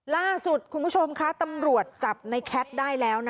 ล่าสุดคุณผู้ชมค่ะตำรวจจับในแคทได้แล้ว